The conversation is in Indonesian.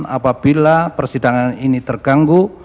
apabila persidangan ini terganggu